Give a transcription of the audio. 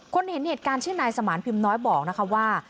เห็นเหตุการณ์ชื่อนายสมานพิมน้อยบอกนะคะว่า